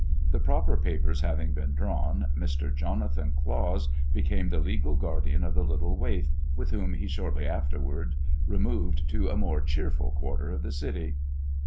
The proper papers having been drawn, Mr. Jonathan Claus became the legal guardian of the little waif, with whom he shortly afterward removed to a more cheerful quarter of the city.